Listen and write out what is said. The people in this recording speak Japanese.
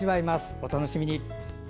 お楽しみに。